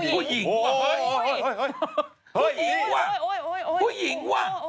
ผู้หญิงผู้หญิง